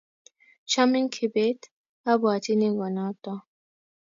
"Chamin kibet?"abwatyini konoto